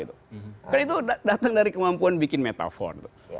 karena itu datang dari kemampuan bikin metafor